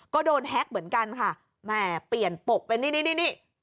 ก็โดนแฮ็กเหมือนกันค่ะแหม่เปลี่ยนปกเป็นนี่นี่